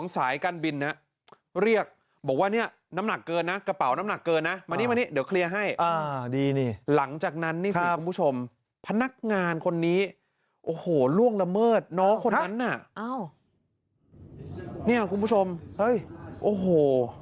สายการบินนะเรียกบอกว่าเนี่ยน้ำหนักเกินนะกระเป๋าน้ำหนักเกินนะวันนี้มานี่เดี๋ยวเคลียร์ให้หลังจากนั้นนี่สิคุณผู้ชมพนักงานคนนี้โอ้โหล่วงละเมิดน้องคนนั้นน่ะเนี่ยคุณผู้ชมเฮ้ยโอ้โห